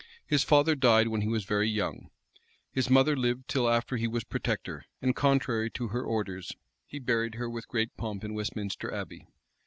His father died when he was very young. His mother lived till after he was protector; and, contrary to her orders, he buried her with great pomp in Westminster Abbey.